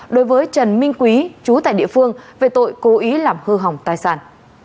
đối với trần minh quý chú tại địa phương về tội cố ý làm hư hỏng tài sản